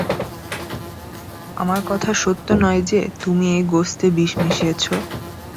আমার কথা সত্য নয় যে, তুমি এই গোস্তে বিষ মিশিয়েছ?